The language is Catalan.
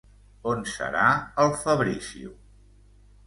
On serà el Fabrizio...